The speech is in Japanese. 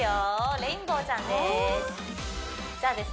レインボーちゃんです